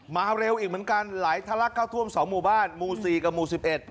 มาเร็วอีกเหมือนกันไหลทะลักเข้าท่วม๒หมู่บ้านหมู่๔กับหมู่๑๑